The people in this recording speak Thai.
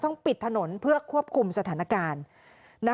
ในสถานการณ์